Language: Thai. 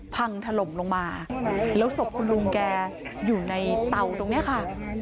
พังถล่มลงมาแล้วศพคุณลุงแกอยู่ในเตาตรงนี้ค่ะ